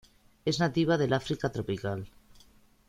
Es nativa del África tropical.